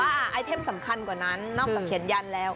ไอเทมสำคัญกว่านั้นนอกจากเขียนยันแล้ว